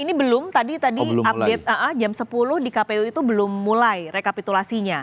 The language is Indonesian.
ini belum tadi tadi update jam sepuluh di kpu itu belum mulai rekapitulasinya